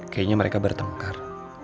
kayaknya mereka bertengkar